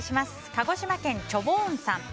鹿児島県の方。